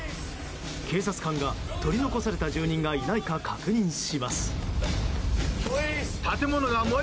警察官が、取り残された住人がいないか確認します。